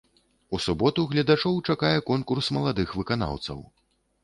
У суботу гледачоў чакае конкурс маладых выканаўцаў.